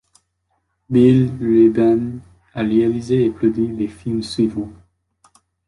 Bill Rebane a réalisé et produit les films suivants.